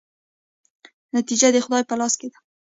نتیجه د خدای په لاس کې ده؟